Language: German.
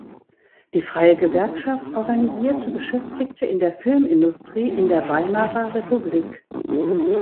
Die freie Gewerkschaft organisierte Beschäftigte in der Filmindustrie in der Weimarer Republik.